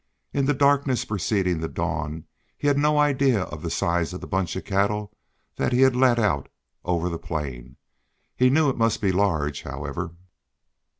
In the darkness preceding the dawn he had no idea of the size of the bunch of cattle that he had led out over the plain. He knew it must be large, however.